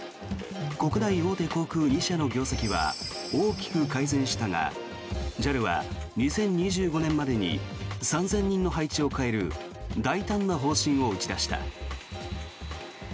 国内大手航空２社の業績は大きく改善したがＪＡＬは２０２５年までに３０００人の配置を換える大胆な方針を打ち出した。